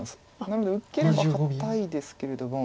なので受ければ堅いですけれども。